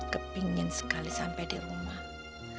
kepingin sekali sampai di rumah